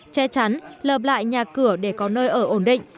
che chắn lợp lại nhà cửa để có nơi ở ổn định